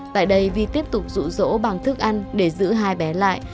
tại đây vy tiếp tục rủ rỗ bằng thức ăn để giữ hai bé lại